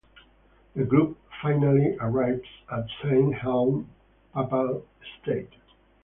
The group finally arrives at Saint Heim Papal State.